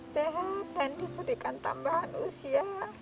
sehat dan diberikan tambahan usia